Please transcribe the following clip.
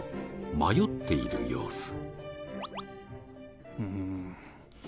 迷っている様子。